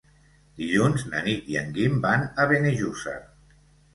Dilluns na Nit i en Guim van a Benejússer.